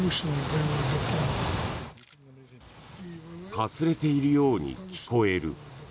かすれているように聞こえる。